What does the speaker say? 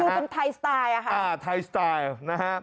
คือเป็นไทยสไตล์